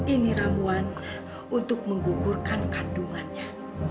ini ramuan untuk menggugurkan kandungannya